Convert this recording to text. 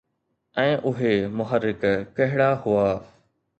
۽ اهي محرڪ ڪهڙا هئا؟